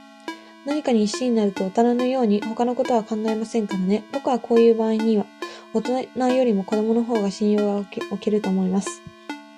何かに一心になると、おとなのように、ほかのことは考えませんからね。ぼくはこういうばあいには、おとなよりも子どものほうが信用がおけると思います。